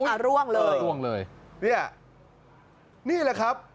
อ้าวร่วงเลยเนี่ยนี่แหละครับ